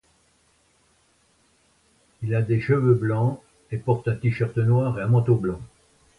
Il a des cheveux blancs, et porte un t-shirt noir et un manteau blanc.